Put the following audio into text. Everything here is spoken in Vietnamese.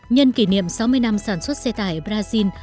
nhân kỷ niệm sáu mươi năm sản xuất xe tải brazil